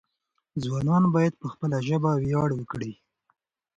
ځوانان باید په خپله ژبه ویاړ وکړي.